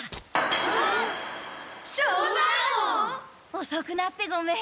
おそくなってごめん。